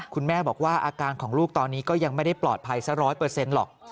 คุณแม่บอกว่าอาการของลูกตอนนี้ก็ยังไม่ได้ปลอดภัยสัก๑๐๐หรอก